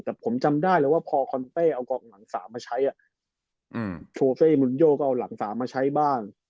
แต่ผมจำได้เลยว่าพอคอนเต้เอากองหลัง๓มาใช้โชเฟ่มุนโยก็เอาหลังสามมาใช้บ้าง